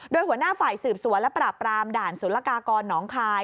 โดยหัวหน้าฝ่ายสืบสวนและปราบปรามด่านสุรกากรหนองคาย